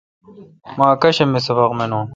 مہ اکاشم می سبق منون۔